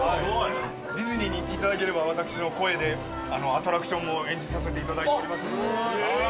ディズニーに行っていただければ私の声でアトラクションも演じさせていただいているので。